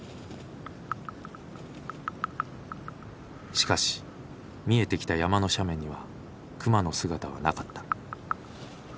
しかし見えてきた山の斜面には熊の姿はなかった。